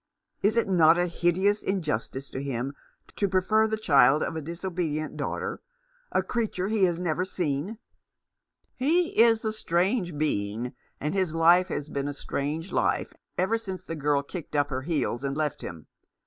" Is it not a hideous injustice in him to prefer the child of a disobedient daughter — a creature he has never seen ?"" He is a strange being, and his life has been a strange life ever since the girl kicked up her heels and left him.